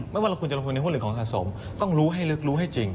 ว่าเราควรจะลงทุนในหุ้นหรือของสะสมต้องรู้ให้ลึกรู้ให้จริง